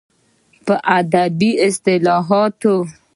په ادبي اصلاحاتو